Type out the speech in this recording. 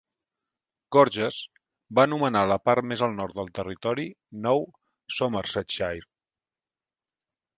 Gorges va anomenar la part més al nord del territori Nou Somersetshire.